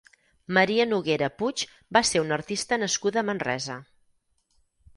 Maria Noguera Puig va ser una artista nascuda a Manresa.